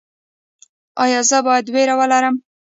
ایا زه باید ویره ولرم؟